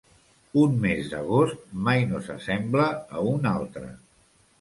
Un mes d'agost mai no s'assembla a un altre.